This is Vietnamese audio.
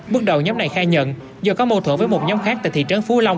bước đầu nhóm này khai nhận do có mâu thuẫn với một nhóm khác tại thị trấn phú long